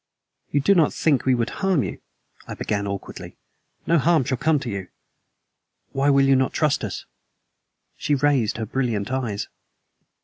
"You do not think we would harm you?" I began awkwardly. "No harm shall come to you. Why will you not trust us?" She raised her brilliant eyes.